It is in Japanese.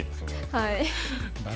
はい。